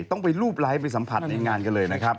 ต้องไปรูปไลค์ไปสัมผัสในงานกันเลยนะครับ